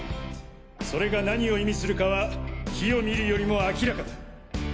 それが何を意味するかは火を見るよりも明らかだ。